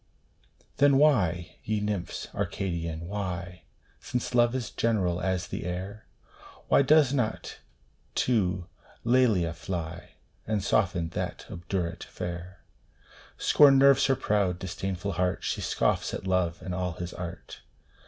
THE DREAM OF LOVE. 71 Then why, ye nymphs Arcadian, why Since Love is general as the air Why does he not to Lelia fly, And soften that obdurate fair? Scorn nerves her proud, disdainful heart ! She scoffs at Love and all his art